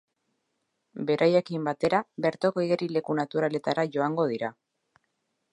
Beraiekin batera, bertoko igerileku naturaletara joango dira.